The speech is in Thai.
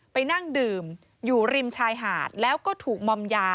ไปนั่งดื่มอยู่ริมชายหาดแล้วก็ถูกมอมยา